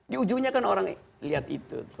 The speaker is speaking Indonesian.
di ujungnya kan orang lihat itu